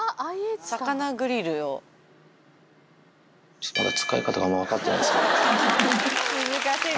ちょっとまだ使い方が分かってないです。